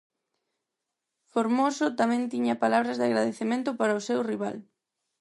Formoso tamén tiña palabras de agradecemento para o seu rival.